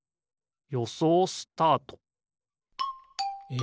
よそうスタート！え